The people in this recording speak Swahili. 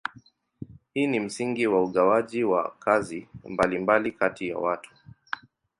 Hii ni msingi wa ugawaji wa kazi mbalimbali kati ya watu.